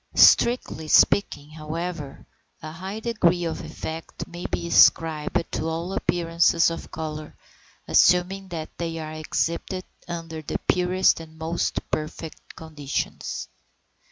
Strictly speaking, however, a high degree of effect may be ascribed to all appearances of colour, assuming that they are exhibited under the purest and most perfect conditions.